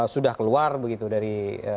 sudah keluar dari